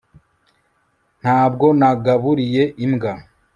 ntabwo nagaburiye imbwa